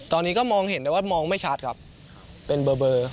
ตอนนี้ก็มองเห็นแต่ว่ามองไม่ชัดครับเป็นเบอร์